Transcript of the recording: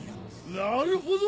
なるほど！